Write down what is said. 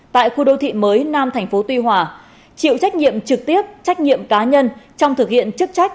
tại khu đô thị mới nam thành phố tuy hòa chịu trách nhiệm trực tiếp trách nhiệm cá nhân trong thực hiện chức trách